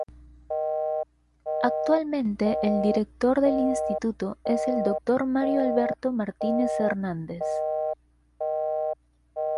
Actualmente el Director del Instituto es el Dr. Mario Alberto Martínez Hernández.